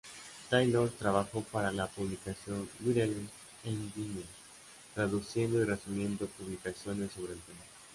Taylor trabajó para la publicación "Wireless Engineer", traduciendo y resumiendo publicaciones sobre el tema.